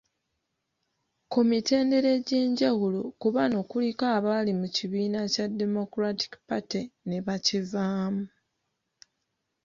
Ku mitendera egy'enjawulo, ku bano kuliko abaali mu kibiina kya Democratic Party ne bakivaamu.